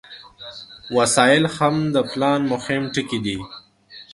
وسایل هم د پلان مهم ټکي دي.